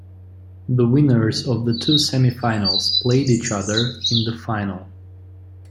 The winners of the two semi-finals played each other in the Final.